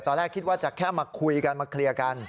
ตอนแรกคิดว่าจะแค่มาคุยกันมาเคลียร์กัน